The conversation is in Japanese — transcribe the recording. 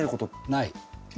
ない。